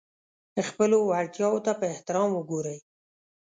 خپلو وړتیاوو ته په احترام وګورئ.